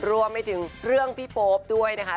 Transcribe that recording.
รวมไปถึงเรื่องพี่โป๊ปด้วยนะคะ